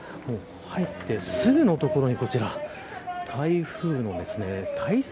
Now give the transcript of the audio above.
入ってすぐのところに、こちら台風の対策